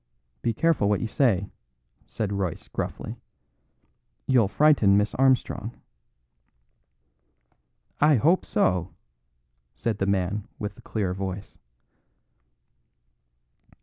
"Be careful what you say," said Royce gruffly, "you'll frighten Miss Armstrong." "I hope so," said the man with the clear voice.